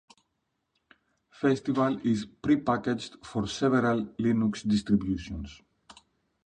Festival is pre-packaged for several Linux distributions.